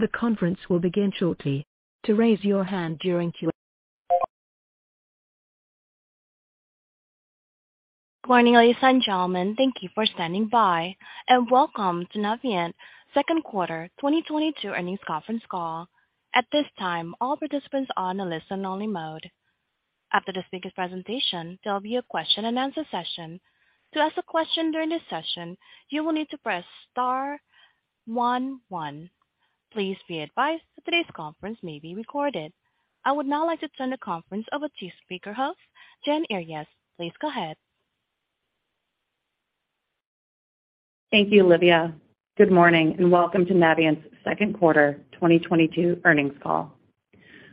Good morning, ladies and gentlemen. Thank you for standing by, and welcome to Navient second quarter 2022 earnings conference call. At this time, all participants are in listen-only mode. After the speaker presentation, there'll be a question-and-answer session. To ask a question during this session, you will need to press star one one. Please be advised that today's conference may be recorded. I would now like to turn the conference over to speaker host, Jen Earyes. Please go ahead. Thank you, Olivia. Good morning and welcome to Navient's second quarter 2022 earnings call.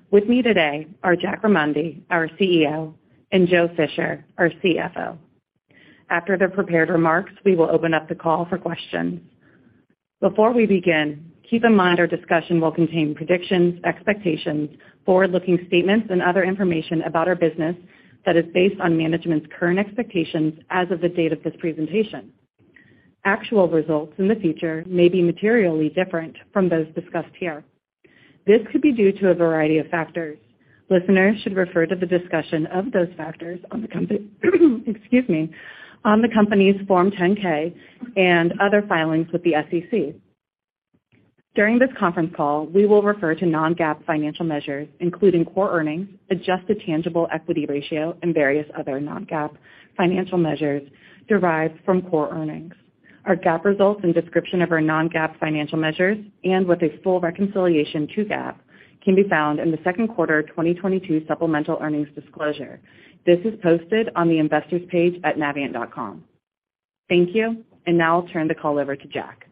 With me today are Jack Remondi, our Chief Executive Officer, and Joe Fisher, our Chief Financial Officer. After their prepared remarks, we will open up the call for questions. Before we begin, keep in mind our discussion will contain predictions, expectations, forward-looking statements and other information about our business that is based on management's current expectations as of the date of this presentation. Actual results in the future may be materially different from those discussed here. This could be due to a variety of factors. Listeners should refer to the discussion of those factors on the company's Form 10-K and other filings with the SEC. During this conference call, we will refer to Non-GAAP financial measures, including core earnings, Adjusted Tangible Equity Ratio, and various other Non-GAAP financial measures derived from core earnings. Our GAAP results and description of our Non-GAAP financial measures and with a full reconciliation to GAAP can be found in the second quarter of 2022 supplemental earnings disclosure. This is posted on the investors page at navient.com. Thank you, and now I'll turn the call over to Jack.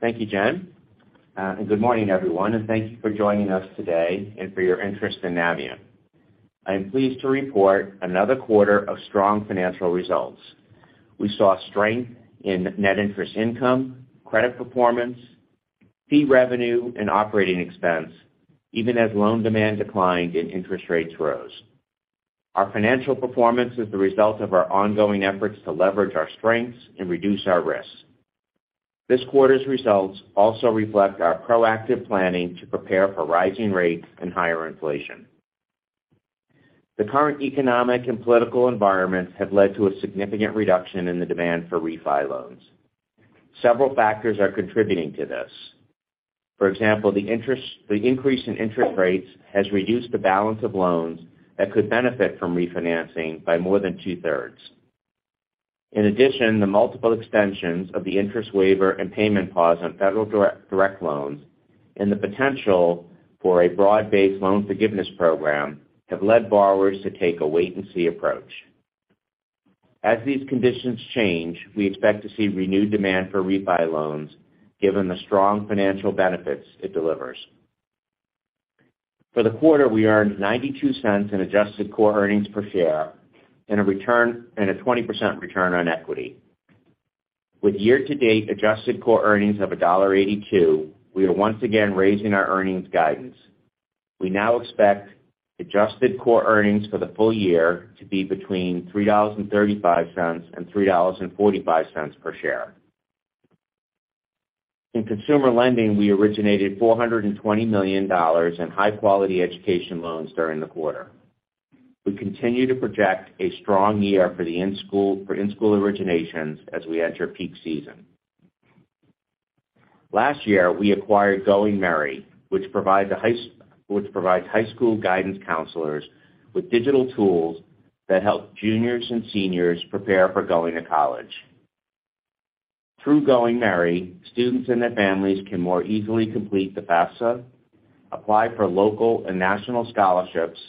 Thank you, Jen. Good morning, everyone, and thank you for joining us today and for your interest in Navient. I am pleased to report another quarter of strong financial results. We saw strength in net interest income, credit performance, fee revenue and operating expense even as loan demand declined and interest rates rose. Our financial performance is the result of our ongoing efforts to leverage our strengths and reduce our risks. This quarter's results also reflect our proactive planning to prepare for rising rates and higher inflation. The current economic and political environments have led to a significant reduction in the demand for refi loans. Several factors are contributing to this. For example, the increase in interest rates has reduced the balance of loans that could benefit from refinancing by more than two-thirds. In addition, the multiple extensions of the interest waiver and payment pause on federal Direct loans and the potential for a broad-based loan forgiveness program have led borrowers to take a wait-and-see approach. As these conditions change, we expect to see renewed demand for refi loans given the strong financial benefits it delivers. For the quarter, we earned $0.92 in adjusted core earnings per share and a 20% return on equity. With year-to-date adjusted core earnings of $1.82, we are once again raising our earnings guidance. We now expect adjusted core earnings for the full year to be between $3.35 and $3.45 per share. In consumer lending, we originated $420 million in high-quality education loans during the quarter. We continue to project a strong year for in-school originations as we enter peak season. Last year, we acquired Going Merry, which provides high school guidance counselors with digital tools that help juniors and seniors prepare for going to college. Through Going Merry, students and their families can more easily complete the FAFSA, apply for local and national scholarships,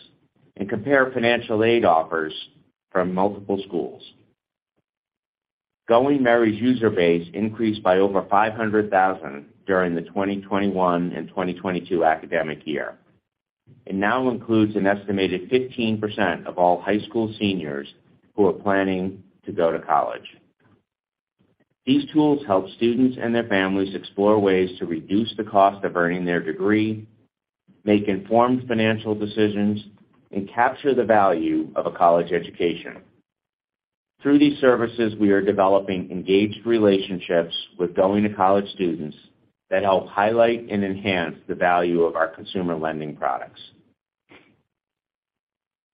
and compare financial aid offers from multiple schools. Going Merry's user base increased by over 500,000 during the 2021 and 2022 academic year, and now includes an estimated 15% of all high school seniors who are planning to go to college. These tools help students and their families explore ways to reduce the cost of earning their degree, make informed financial decisions, and capture the value of a college education. Through these services, we are developing engaged relationships with going to college students that help highlight and enhance the value of our consumer lending products.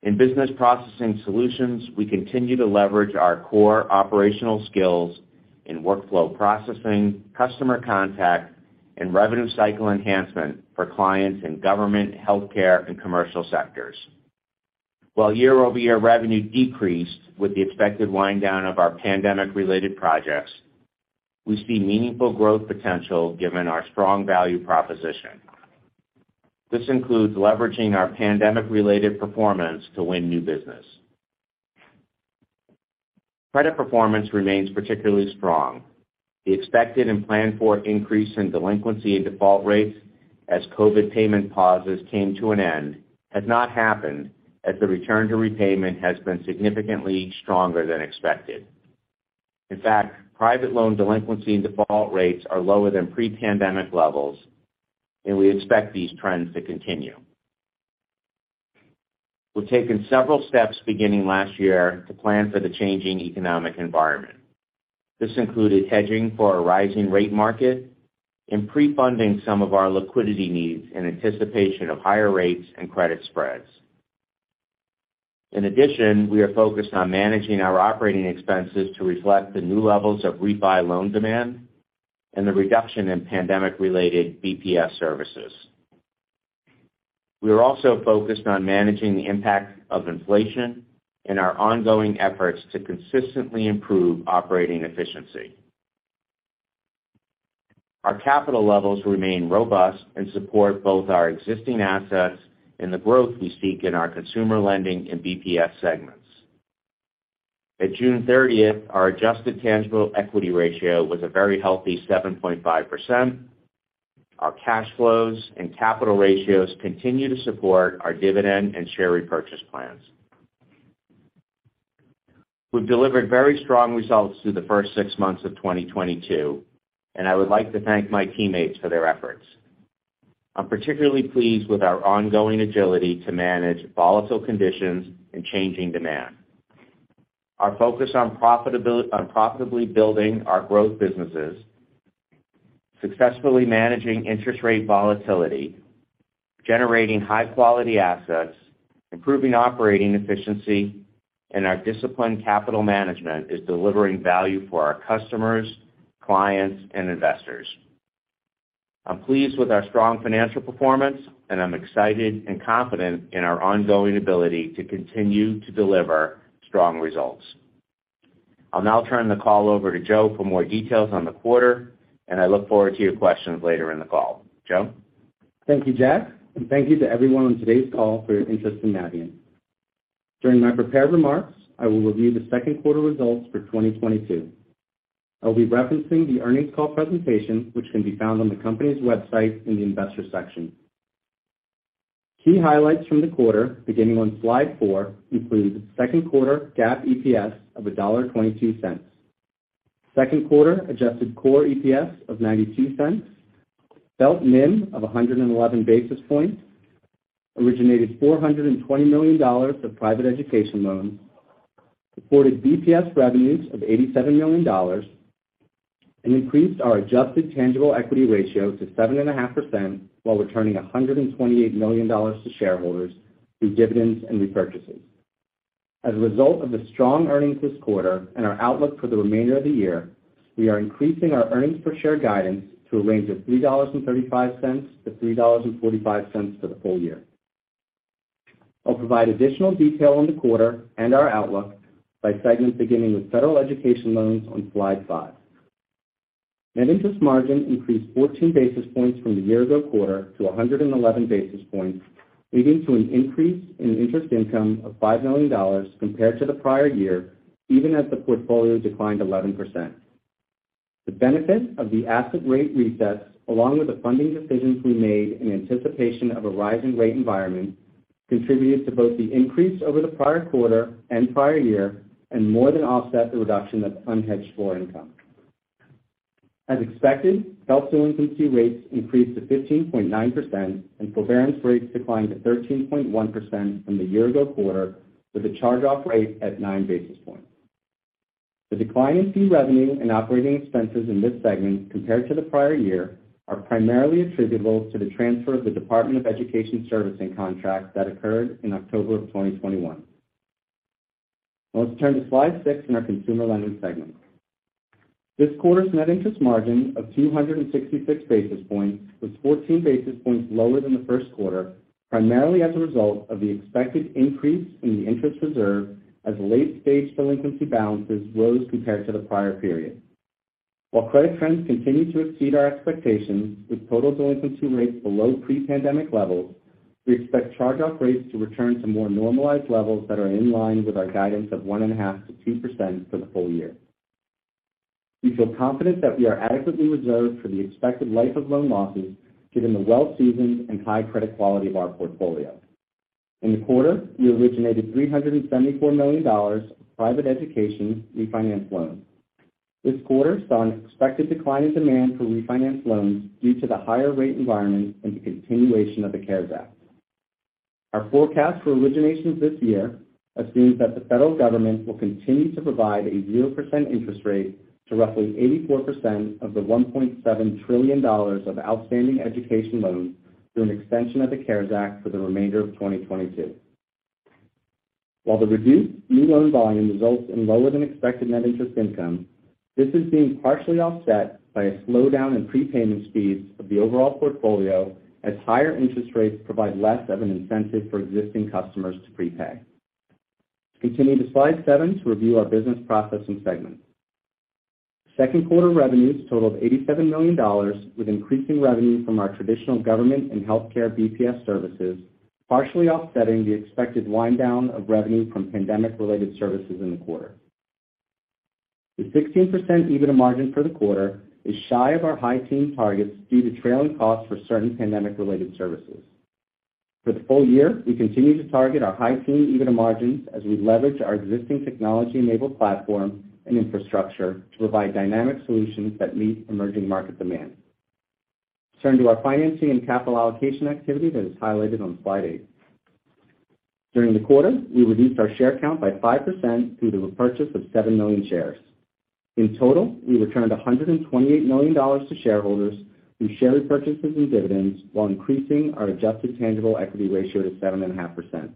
In business processing solutions, we continue to leverage our core operational skills in workflow processing, customer contact and revenue cycle enhancement for clients in government, healthcare and commercial sectors. While year-over-year revenue decreased with the expected wind-down of our pandemic-related projects, we see meaningful growth potential given our strong value proposition. This includes leveraging our pandemic-related performance to win new business. Credit performance remains particularly strong. The expected and planned for increase in delinquency and default rates as COVID payment pauses came to an end has not happened as the return to repayment has been significantly stronger than expected. In fact, private loan delinquency and default rates are lower than pre-pandemic levels, and we expect these trends to continue. We've taken several steps beginning last year to plan for the changing economic environment. This included hedging for a rising rate market and pre-funding some of our liquidity needs in anticipation of higher rates and credit spreads. In addition, we are focused on managing our operating expenses to reflect the new levels of refi loan demand and the reduction in pandemic-related BPS services. We are also focused on managing the impact of inflation and our ongoing efforts to consistently improve operating efficiency. Our capital levels remain robust and support both our existing assets and the growth we seek in our consumer lending and BPS segments. At June 30th, our Adjusted Tangible Equity Ratio was a very healthy 7.5%. Our cash flows and capital ratios continue to support our dividend and share repurchase plans. We've delivered very strong results through the first six months of 2022, and I would like to thank my teammates for their efforts. I'm particularly pleased with our ongoing agility to manage volatile conditions and changing demand. Our focus on profitably building our growth businesses, successfully managing interest rate volatility, generating high-quality assets, improving operating efficiency, and our disciplined capital management is delivering value for our customers, clients, and investors. I'm pleased with our strong financial performance, and I'm excited and confident in our ongoing ability to continue to deliver strong results. I'll now turn the call over to Joe for more details on the quarter, and I look forward to your questions later in the call. Joe? Thank you, Jack, and thank you to everyone on today's call for your interest in Navient. During my prepared remarks, I will review the second quarter results for 2022. I'll be referencing the earnings call presentation, which can be found on the company's website in the Investors section. Key highlights from the quarter, beginning on slide four, include second quarter GAAP EPS of $1.22. Second quarter adjusted core EPS of $0.92. FFELP NIM of 111 basis points. Originated $420 million of private education loans. Reported BPS revenues of $87 million, and increased our adjusted tangible equity ratio to 7.5% while returning $128 million to shareholders through dividends and repurchases. As a result of the strong earnings this quarter and our outlook for the remainder of the year, we are increasing our earnings per share guidance to a range of $3.35-$3.45 for the full year. I'll provide additional detail on the quarter and our outlook by segment beginning with federal education loans on slide five. Net interest margin increased 14 basis points from the year-ago quarter to 111 basis points, leading to an increase in interest income of $5 million compared to the prior year, even as the portfolio declined 11%. The benefit of the asset rate resets, along with the funding decisions we made in anticipation of a rising rate environment, contributed to both the increase over the prior quarter and prior year and more than offset the reduction of unhedged floor income. As expected, health delinquency rates increased to 15.9%, and forbearance rates declined to 13.1% from the year-ago quarter, with a charge-off rate at 9 basis points. The decline in fee revenue and operating expenses in this segment compared to the prior year are primarily attributable to the transfer of the Department of Education servicing contract that occurred in October 2021. Now let's turn to slide six in our consumer lending segment. This quarter's net interest margin of 266 basis points was 14 basis points lower than the first quarter, primarily as a result of the expected increase in the interest reserve as late-stage delinquency balances rose compared to the prior period. While credit trends continue to exceed our expectations, with total delinquency rates below pre-pandemic levels, we expect charge-off rates to return to more normalized levels that are in line with our guidance of 1.5%-2% for the full year. We feel confident that we are adequately reserved for the expected life of loan losses given the well-seasoned and high credit quality of our portfolio. In the quarter, we originated $374 million of private education refinance loans. This quarter saw an expected decline in demand for refinance loans due to the higher rate environment and the continuation of the CARES Act. Our forecast for originations this year assumes that the federal government will continue to provide a 0% interest rate to roughly 84% of the $1.7 trillion of outstanding education loans through an extension of the CARES Act for the remainder of 2022. While the reduced new loan volume results in lower-than-expected net interest income, this is being partially offset by a slowdown in prepayment speeds of the overall portfolio as higher interest rates provide less of an incentive for existing customers to prepay. Continue to Slide seven to review our business processing segment. Second quarter revenues totaled $87 million, with increasing revenue from our traditional government and healthcare BPS services, partially offsetting the expected wind down of revenue from pandemic-related services in the quarter. The 16% EBITDA margin for the quarter is shy of our high teen targets due to trailing costs for certain pandemic-related services. For the full year, we continue to target our high teen EBITDA margins as we leverage our existing technology-enabled platform and infrastructure to provide dynamic solutions that meet emerging market demand. Turning to our financing and capital allocation activity that is highlighted on slide eight. During the quarter, we reduced our share count by 5% through the repurchase of 7 million shares. In total, we returned $128 million to shareholders through share repurchases and dividends while increasing our Adjusted Tangible Equity Ratio to 7.5%.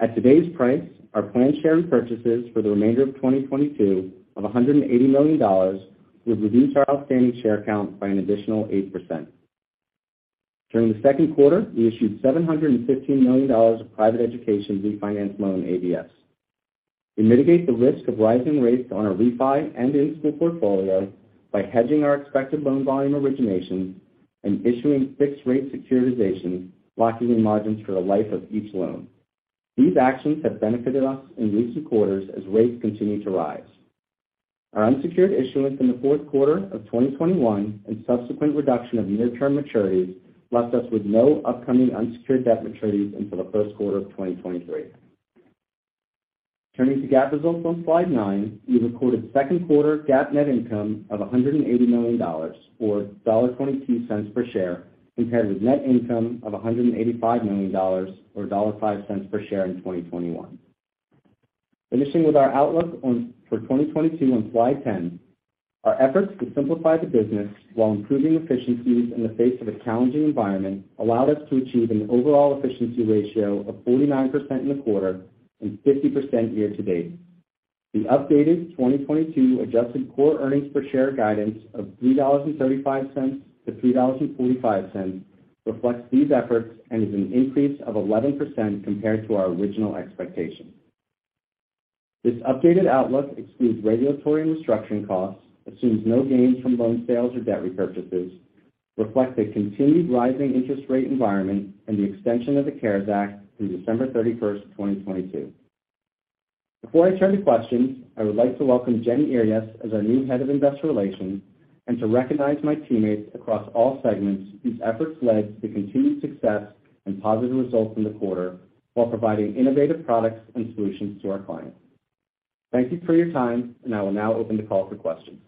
At today's price, our planned share repurchases for the remainder of 2022 of $180 million will reduce our outstanding share count by an additional 8%. During the second quarter, we issued $715 million of private education refinance loan ABS. We mitigate the risk of rising rates on our refi and in-school portfolio by hedging our expected loan volume origination and issuing fixed rate securitization, locking in margins for the life of each loan. These actions have benefited us in recent quarters as rates continue to rise. Our unsecured issuance in the fourth quarter of 2021 and subsequent reduction of midterm maturities left us with no upcoming unsecured debt maturities until the first quarter of 2023. Turning to GAAP results on slide nine. We recorded second quarter GAAP net income of $180 million, or $1.22 per share compared with net income of $185 million or $1.05 per share in 2021. Finishing with our outlook for 2022 on Slide 10. Our efforts to simplify the business while improving efficiencies in the face of a challenging environment allowed us to achieve an overall efficiency ratio of 49% in the quarter and 50% year to date. The updated 2022 adjusted core earnings per share guidance of $3.35-$3.45 reflects these efforts and is an increase of 11% compared to our original expectation. This updated outlook excludes regulatory and restructuring costs, assumes no gains from loan sales or debt repurchases, reflects a continued rising interest rate environment, and the extension of the CARES Act through December 31, 2022. Before I turn to questions, I would like to welcome Jen Earyes as our new Head of Investor Relations, and to recognize my teammates across all segments whose efforts led to continued success and positive results in the quarter while providing innovative products and solutions to our clients. Thank you for your time, and I will now open the call for questions.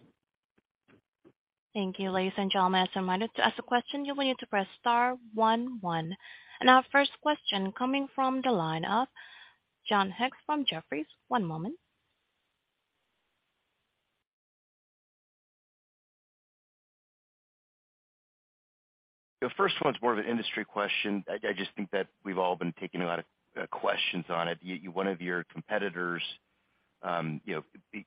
Thank you. Ladies and gentlemen, as a reminder, to ask a question, you'll need to press star one one. Our first question coming from the line of John Hecht from Jefferies. One moment. The first one's more of an industry question. I just think that we've all been taking a lot of questions on it. One of your competitors, you know,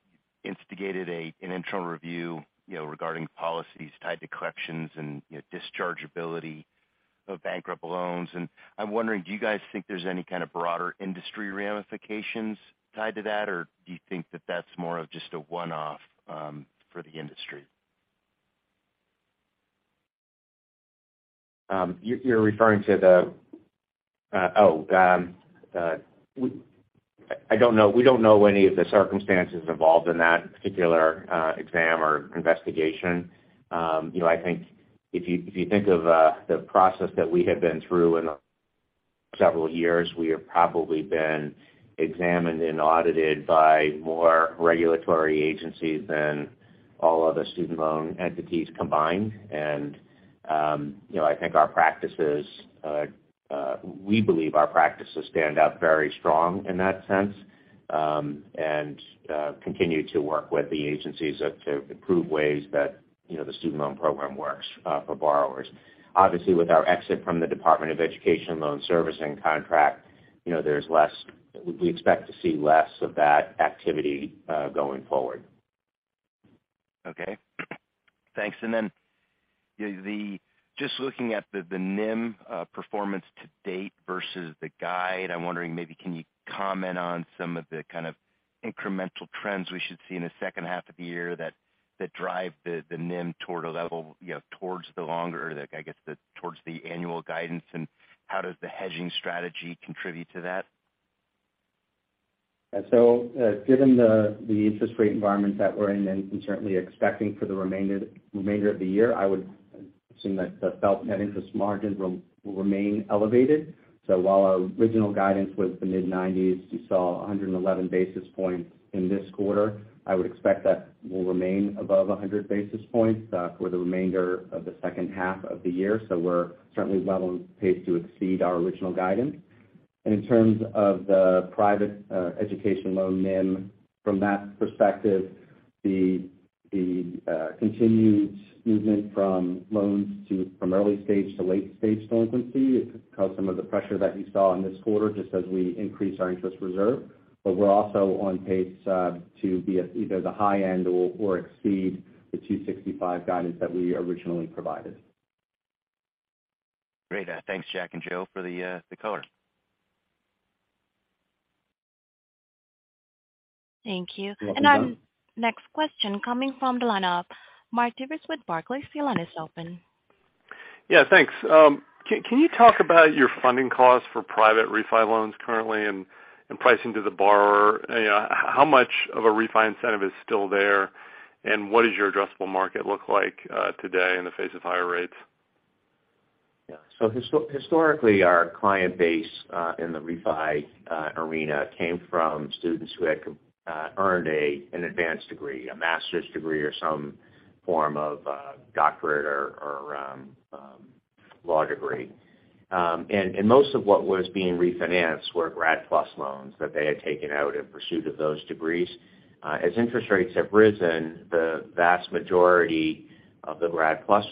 instigated an internal review, you know, regarding policies tied to collections and, you know, dischargeability of bankrupt loans. I'm wondering, do you guys think there's any kind of broader industry ramifications tied to that, or do you think that that's more of just a one-off for the industry? I don't know. We don't know any of the circumstances involved in that particular exam or investigation. You know, I think if you think of the process that we have been through in several years, we have probably been examined and audited by more regulatory agencies than all other student loan entities combined. You know, I think our practices, we believe, stand out very strong in that sense, and continue to work with the agencies to improve ways that, you know, the student loan program works for borrowers. Obviously, with our exit from the Department of Education loan servicing contract, you know, there's less. We expect to see less of that activity going forward. Okay. Thanks. Just looking at the NIM performance to date versus the guide, I'm wondering maybe can you comment on some of the kind of incremental trends we should see in the second half of the year that drive the NIM toward a level, you know, towards the longer, like, I guess the towards the annual guidance, and how does the hedging strategy contribute to that? Given the interest rate environment that we're in and certainly expecting for the remainder of the year, I would assume that the FFELP net interest margin will remain elevated. While our original guidance was the mid-90s basis points, we saw 111 basis points in this quarter. I would expect that will remain above 100 basis points for the remainder of the second half of the year. We're certainly well on pace to exceed our original guidance. In terms of the private education loan NIM, from that perspective, the continued movement from early stage to late stage delinquency caused some of the pressure that you saw in this quarter just as we increased our interest reserve. We're also on pace to be at either the high end or exceed the $265 guidance that we originally provided. Great. Thanks Jack and Joe for the color. Thank you. You're welcome. Our next question coming from the line of Mark DeVries with Barclays. Your line is open. Yeah, thanks. Can you talk about your funding costs for private refi loans currently and pricing to the borrower? You know, how much of a refi incentive is still there? What does your addressable market look like today in the face of higher rates? Historically, our client base in the refi arena came from students who had earned an advanced degree, a master's degree or some form of doctorate or law degree. Most of what was being refinanced were Grad PLUS loans that they had taken out in pursuit of those degrees. As interest rates have risen, the vast majority of the Grad PLUS,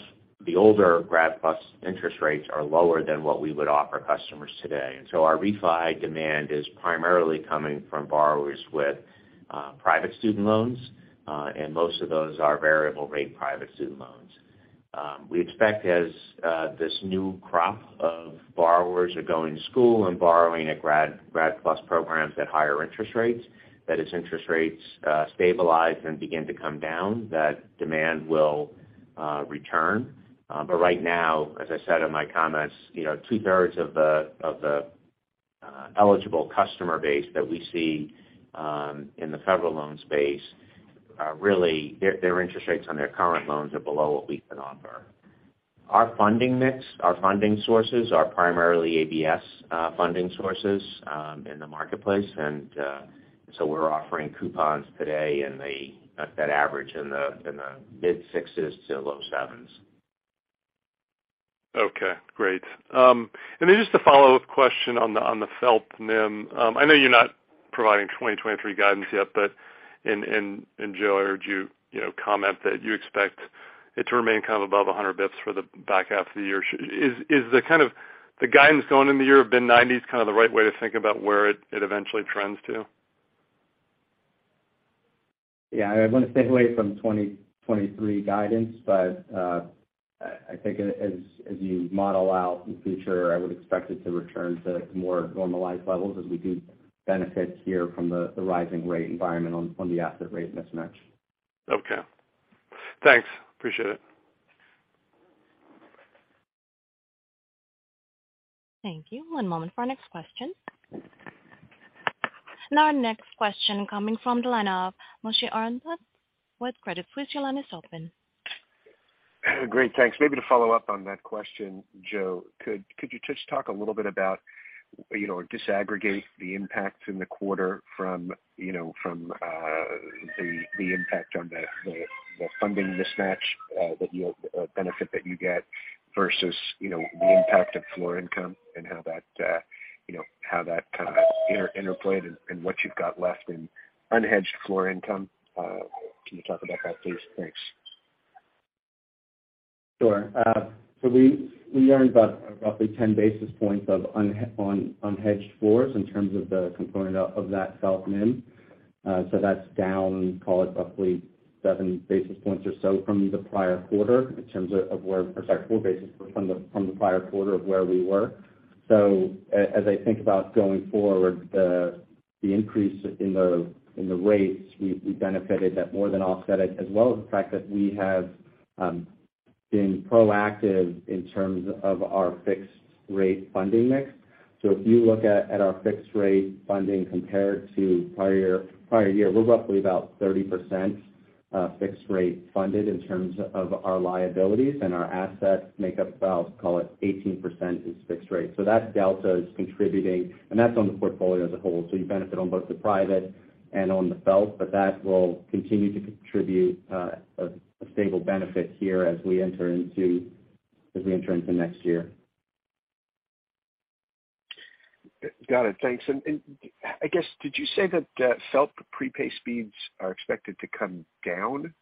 the older Grad PLUS interest rates are lower than what we would offer customers today. Our refi demand is primarily coming from borrowers with private student loans, and most of those are variable rate private student loans. We expect as this new crop of borrowers are going to school and borrowing at Grad PLUS programs at higher interest rates, that as interest rates stabilize and begin to come down, that demand will return. But right now, as I said in my comments, you know, two-thirds of the eligible customer base that we see in the federal loan space are really their interest rates on their current loans are below what we can offer. Our funding mix, our funding sources are primarily ABS funding sources in the marketplace. So we're offering coupons today at that average in the mid-sixes to low sevens. Okay, great. Then just a follow-up question on the FFELP NIM. I know you're not providing 2023 guidance yet, but Joe, I heard you know, comment that you expect it to remain kind of above 100 basis points for the back half of the year. Is the kind of guidance going into the year of mid-nineties kind of the right way to think about where it eventually trends to? Yeah, I want to stay away from 2023 guidance, but I think as you model out the future, I would expect it to return to more normalized levels as we do benefit here from the rising rate environment on the asset rate mismatch. Okay. Thanks. Appreciate it. Thank you. One moment for our next question. Now our next question coming from the line of Moshe Orenbuch with Credit Suisse. Your line is open. Great, thanks. Maybe to follow up on that question, Joe, could you just talk a little bit about, you know, or disaggregate the impact in the quarter from, you know, from the impact on the funding mismatch benefit that you get versus, you know, the impact of floor income and how that, you know, how that kind of interplay and what you've got left in unhedged floor income. Can you talk about that, please? Thanks. Sure. We earned about roughly 10 basis points on unhedged floors in terms of the component of that FFELP NIM. That's down, call it roughly 7 basis points or so from the prior quarter in terms of where we were. Or sorry, 4 basis points from the prior quarter where we were. As I think about going forward, the increase in the rates, we benefited that more than offset it, as well as the fact that we have been proactive in terms of our fixed rate funding mix. If you look at our fixed rate funding compared to prior year, we're roughly about 30% fixed rate funded in terms of our liabilities, and our assets make up about, call it 18% fixed rate. That delta is contributing, and that's on the portfolio as a whole. You benefit on both the private and on the FFELP, but that will continue to contribute a stable benefit here as we enter into next year. Got it. Thanks. I guess, did you say that, FFELP prepay speeds are expected to come down?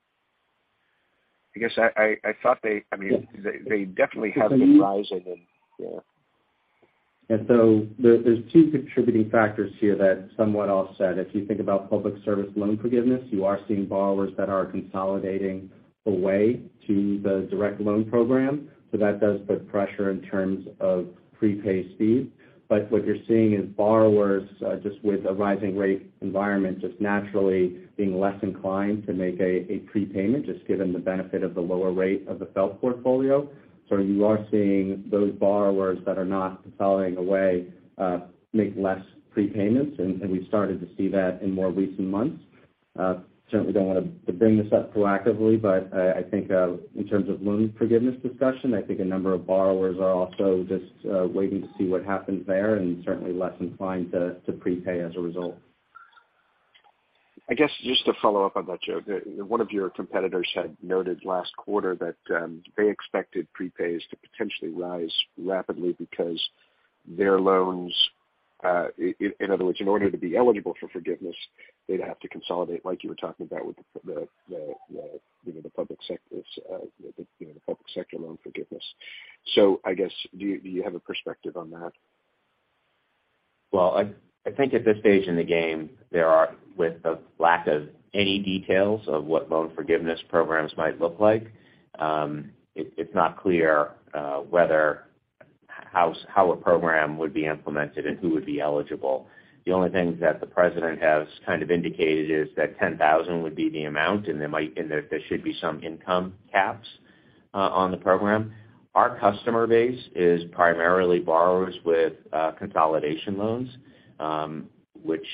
I guess I thought they, I mean. Yes. They definitely have been rising and yeah. There, there's two contributing factors here that somewhat offset. If you think about Public Service Loan Forgiveness, you are seeing borrowers that are consolidating away to the direct loan program. That does put pressure in terms of prepay speed. What you're seeing is borrowers, just with a rising rate environment, just naturally being less inclined to make a prepayment, just given the benefit of the lower rate of the FFELP portfolio. You are seeing those borrowers that are not consolidating away, make less prepayments, and we started to see that in more recent months. Certainly don't want to bring this up proactively, but I think, in terms of loan forgiveness discussion, I think a number of borrowers are also just, waiting to see what happens there and certainly less inclined to prepay as a result. I guess just to follow up on that, Joe, one of your competitors had noted last quarter that they expected prepays to potentially rise rapidly because their loans, in other words, in order to be eligible for forgiveness, they'd have to consolidate, like you were talking about with the, you know, the Public Service Loan Forgiveness. I guess, do you have a perspective on that? Well, I think at this stage in the game, there are with the lack of any details of what loan forgiveness programs might look like, it's not clear whether how a program would be implemented and who would be eligible. The only thing that the president has kind of indicated is that $10,000 would be the amount, and there should be some income caps on the program. Our customer base is primarily borrowers with consolidation loans, which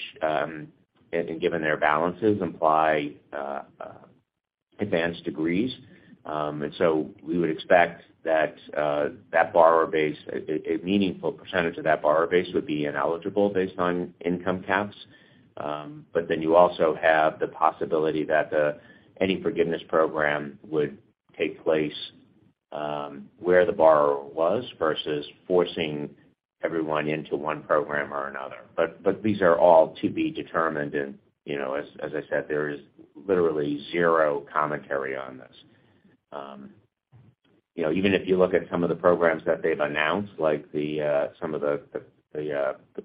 and given their balances imply advanced degrees. We would expect that borrower base, a meaningful percentage of that borrower base would be ineligible based on income caps. you also have the possibility that any forgiveness program would take place, where the borrower was versus forcing everyone into one program or another. These are all to be determined. You know, as I said, there is literally zero commentary on this. You know, even if you look at some of the programs that they've announced, like some of the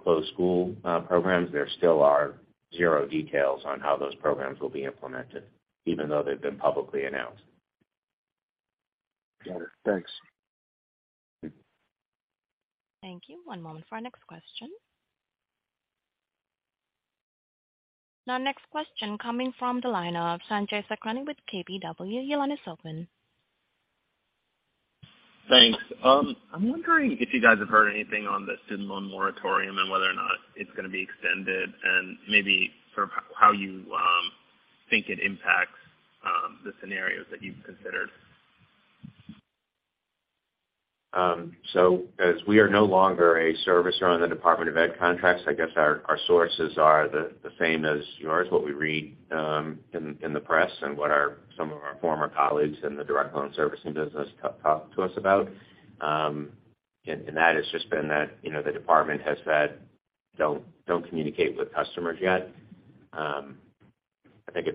closed school programs, there still are zero details on how those programs will be implemented, even though they've been publicly announced. Got it. Thanks. Thank you. One moment for our next question. Our next question coming from the line of Sanjay Sakhrani with KBW. Your line is open. Thanks. I'm wondering if you guys have heard anything on the student loan moratorium and whether or not it's gonna be extended and maybe sort of how you think it impacts the scenarios that you've considered. As we are no longer a servicer on the Department of Ed contracts, I guess our sources are the same as yours, what we read in the press and what some of our former colleagues in the direct loan servicing business talk to us about. That has just been that, you know, the department has said, "Don't communicate with customers yet." I think,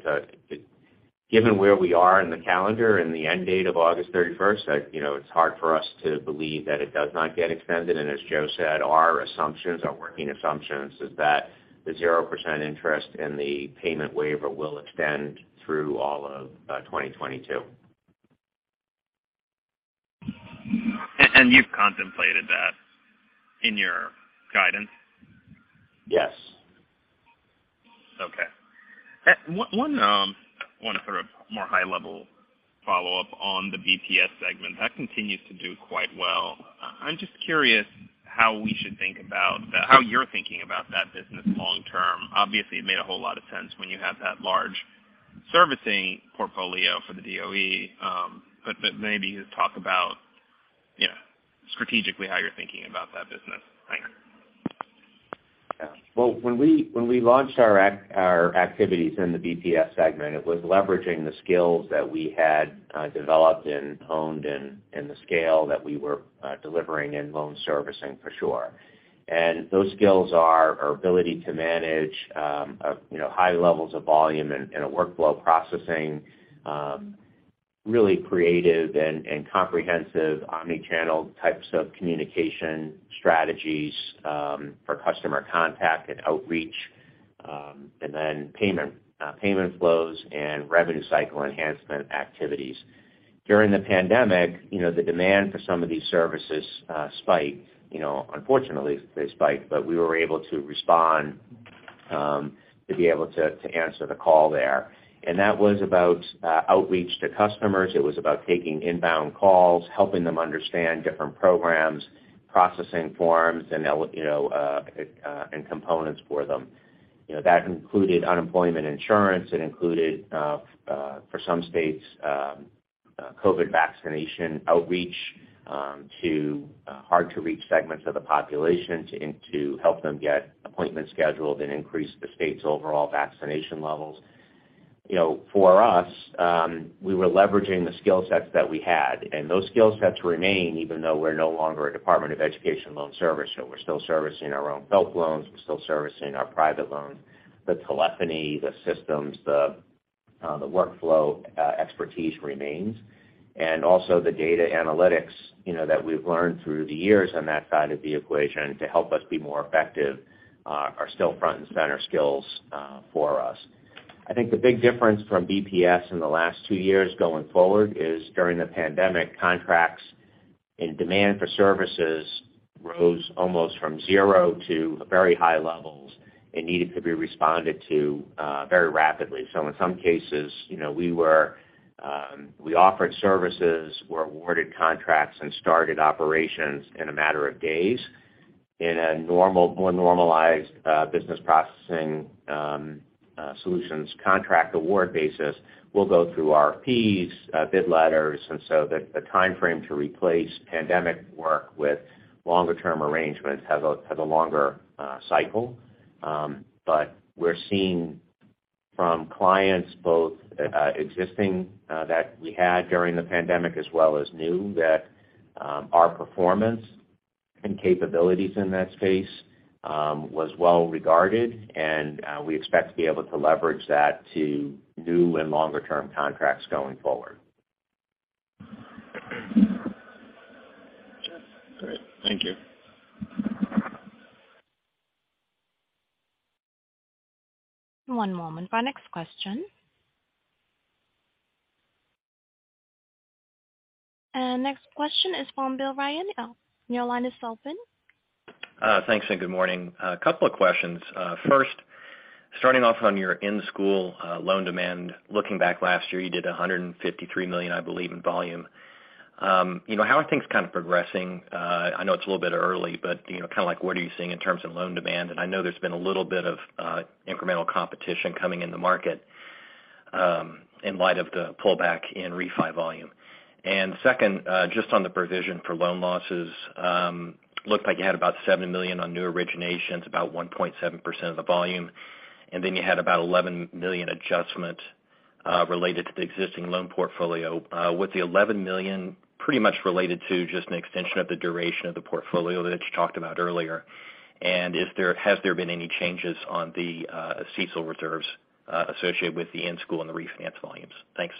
given where we are in the calendar and the end date of August 31st, you know, it's hard for us to believe that it does not get extended. As Joe said, our assumptions, our working assumptions is that the 0% interest and the payment waiver will extend through all of 2022. You've contemplated that in your guidance? Yes. Okay. One sort of more high level follow-up on the BPS segment, that continues to do quite well. I'm just curious how we should think about how you're thinking about that business long term. Obviously, it made a whole lot of sense when you had that large servicing portfolio for the DOE. But maybe just talk about, you know, strategically how you're thinking about that business. Thanks. Yeah. Well, when we launched our activities in the BPS segment, it was leveraging the skills that we had developed and honed and the scale that we were delivering in loan servicing for sure. Those skills are our ability to manage you know high levels of volume and a workflow processing really creative and comprehensive omni-channel types of communication strategies for customer contact and outreach and then payment flows and revenue cycle enhancement activities. During the pandemic, you know, the demand for some of these services spiked. You know, unfortunately, they spiked, but we were able to respond to answer the call there. That was about outreach to customers. It was about taking inbound calls, helping them understand different programs, processing forms, you know, and components for them. You know, that included unemployment insurance. It included for some states, COVID vaccination outreach to hard-to-reach segments of the population and to help them get appointments scheduled and increase the state's overall vaccination levels. You know, for us, we were leveraging the skill sets that we had, and those skill sets remain even though we're no longer a Department of Education loan servicer. We're still servicing our own FFELP loans. We're still servicing our private loans. The telephony, the systems, the workflow expertise remains. Also the data analytics, you know, that we've learned through the years on that side of the equation to help us be more effective, are still front and center skills, for us. I think the big difference from BPS in the last two years going forward is during the pandemic, contracts and demand for services rose almost from zero to very high levels and needed to be responded to, very rapidly. In some cases, you know, we offered services, were awarded contracts, and started operations in a matter of days. In a normal, more normalized, business processing, solutions contract award basis, we'll go through RFPs, bid letters, and the timeframe to replace pandemic work with longer term arrangements has a longer cycle. We're seeing from clients both existing that we had during the pandemic as well as new that our performance and capabilities in that space was well regarded, and we expect to be able to leverage that to new and longer term contracts going forward. Got it. Great. Thank you. One moment for our next question. Next question is from Bill Ryan. Your line is open. Thanks and good morning. A couple of questions. First, starting off on your in-school loan demand. Looking back last year, you did $153 million, I believe, in volume. You know, how are things kind of progressing? I know it's a little bit early, but, you know, kinda like what are you seeing in terms of loan demand? I know there's been a little bit of incremental competition coming in the market, in light of the pullback in refi volume. Second, just on the provision for loan losses, looked like you had about $70 million on new originations, about 1.7% of the volume, and then you had about $11 million adjustment related to the existing loan portfolio. Was the $11 million pretty much related to just an extension of the duration of the portfolio that you talked about earlier? Has there been any changes on the CECL reserves associated with the in-school and the refinance volumes? Thanks.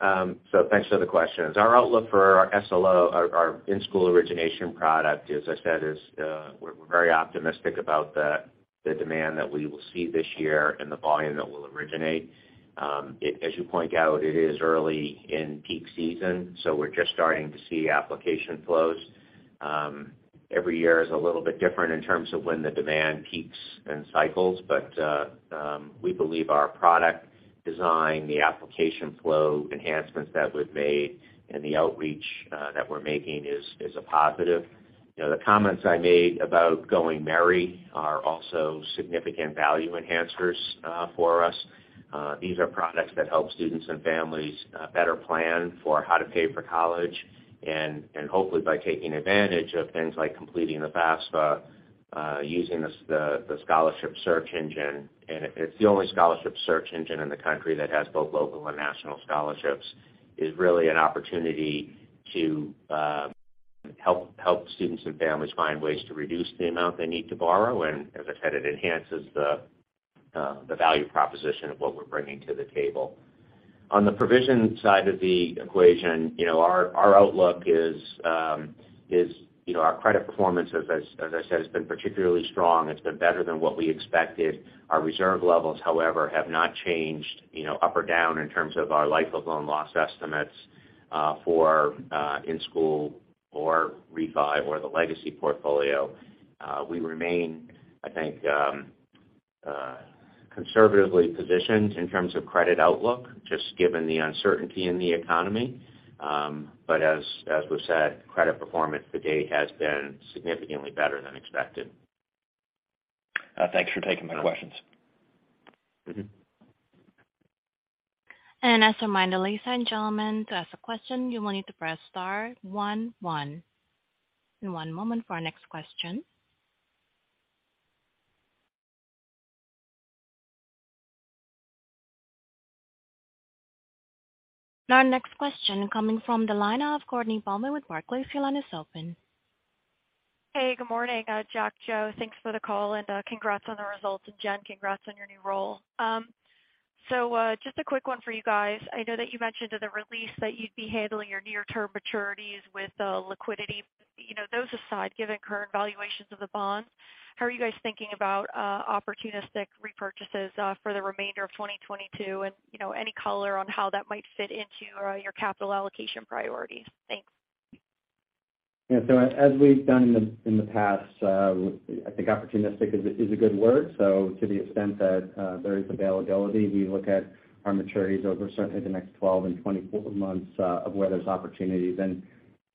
Sure. Thanks for the questions. Our outlook for our SLO, our in-school origination product, as I said, is, we're very optimistic about the demand that we will see this year and the volume that will originate. As you point out, it is early in peak season, so we're just starting to see application flows. Every year is a little bit different in terms of when the demand peaks and cycles, but we believe our product design, the application flow enhancements that we've made and the outreach that we're making is a positive. You know, the comments I made about Going Merry are also significant value enhancers for us. These are products that help students and families better plan for how to pay for college. Hopefully by taking advantage of things like completing the FAFSA, using the scholarship search engine, and it's the only scholarship search engine in the country that has both local and national scholarships, is really an opportunity to help students and families find ways to reduce the amount they need to borrow. As I said, it enhances the value proposition of what we're bringing to the table. On the provision side of the equation, you know, our outlook is, you know, our credit performance as I said, has been particularly strong. It's been better than what we expected. Our reserve levels, however, have not changed, you know, up or down in terms of our life of loan loss estimates for in school or refi or the legacy portfolio. We remain, I think, conservatively positioned in terms of credit outlook, just given the uncertainty in the economy. As we've said, credit performance to date has been significantly better than expected. Thanks for taking my questions. Mm-hmm. As a reminder, ladies and gentlemen, to ask a question, you will need to press star one one. One moment for our next question. Our next question coming from the line of Courtney Bahlman with Barclays. Your line is open. Hey, good morning, Jack, Joe. Thanks for the call and congrats on the results. Jen, congrats on your new role. Just a quick one for you guys. I know that you mentioned in the release that you'd be handling your near-term maturities with liquidity. You know, those aside, given current valuations of the bonds, how are you guys thinking about opportunistic repurchases for the remainder of 2022? You know, any color on how that might fit into your capital allocation priorities? Thanks. Yeah. As we've done in the past, I think opportunistic is a good word. To the extent that there is availability, we look at our maturities over certainly the next 12 and 24 months of where there's opportunities.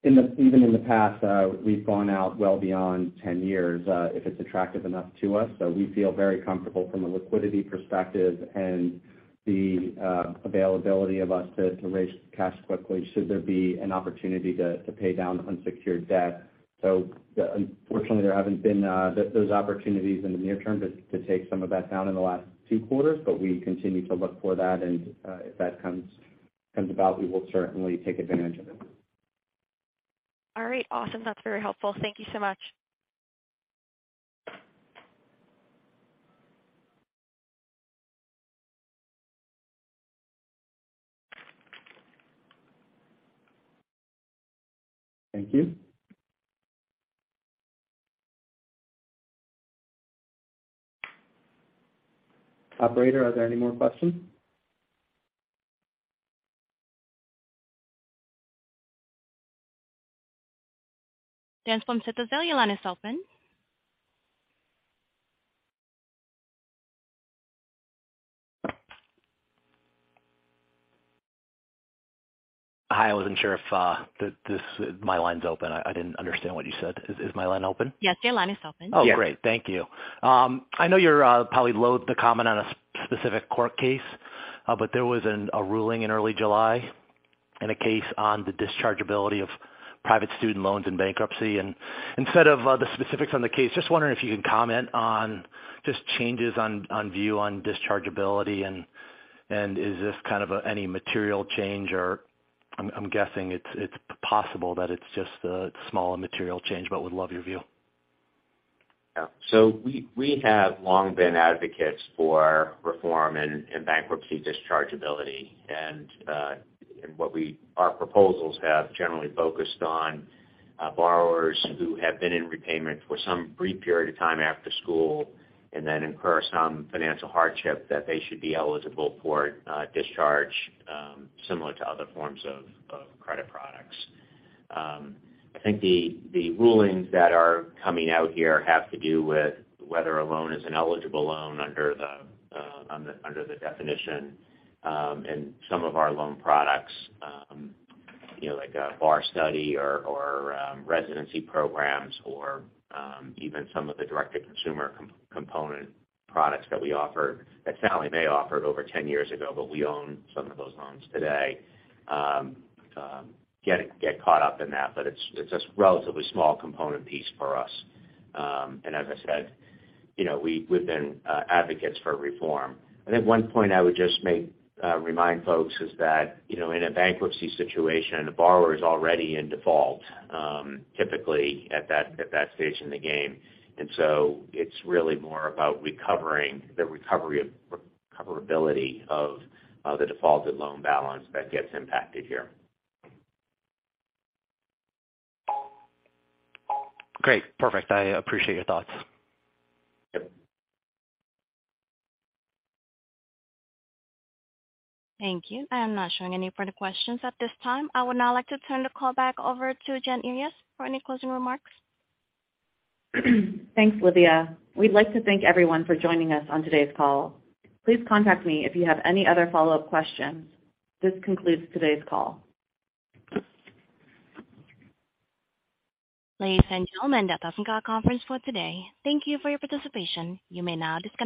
Even in the past, we've gone out well beyond 10 years if it's attractive enough to us. We feel very comfortable from a liquidity perspective and the availability for us to raise cash quickly should there be an opportunity to pay down unsecured debt. Unfortunately, there haven't been those opportunities in the near term to take some of that down in the last two quarters, but we continue to look for that. If that comes about, we will certainly take advantage of it. All right. Awesome. That's very helpful. Thank you so much. Thank you. Operator, are there any more questions? Daniel Stoloski with Wells Fargo, your line is open. Hi. I wasn't sure if my line's open. I didn't understand what you said. Is my line open? Yes, your line is open. Oh, great. Thank you. I know you're probably loathe to comment on a specific court case, but there was a ruling in early July in a case on the dischargeability of private student loans in bankruptcy. Instead of the specifics on the case, just wondering if you could comment on just changes in your view on dischargeability and is this kind of any material change or I'm guessing it's possible that it's just a small immaterial change, but would love your view. Yeah. We have long been advocates for reform and bankruptcy dischargeability. What our proposals have generally focused on borrowers who have been in repayment for some brief period of time after school and then incur some financial hardship that they should be eligible for discharge, similar to other forms of credit products. I think the rulings that are coming out here have to do with whether a loan is an eligible loan under the definition, and some of our loan products, you know, like a bar study or residency programs or even some of the direct-to-consumer component products that we offer that Sallie Mae offered over 10 years ago, but we own some of those loans today, get caught up in that. It's a relatively small component piece for us. As I said, you know, we've been advocates for reform. I think one point I would just remind folks is that, you know, in a bankruptcy situation, the borrower is already in default, typically at that stage in the game. It's really more about recovering the recoverability of the defaulted loan balance that gets impacted here. Great. Perfect. I appreciate your thoughts. Yep. Thank you. I am not showing any further questions at this time. I would now like to turn the call back over to Jen Earyes for any closing remarks. Thanks, Olivia. We'd like to thank everyone for joining us on today's call. Please contact me if you have any other follow-up questions. This concludes today's call. Ladies and gentlemen, that does end our conference for today. Thank you for your participation. You may now disconnect.